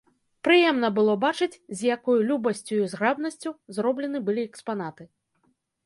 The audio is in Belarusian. Прыемна было бачыць, з якою любасцю і зграбнасцю зроблены былі экспанаты.